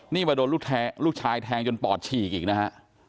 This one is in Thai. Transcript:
นี่มาโดนลูกชายแทงจนปอดฉีกอีกนะฮะ